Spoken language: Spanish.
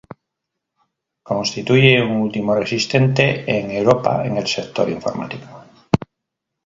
Constituye un último resistente en Europa en el sector informático.